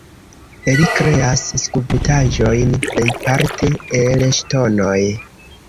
Li kreas skulptaĵojn plejparte el ŝtonoj.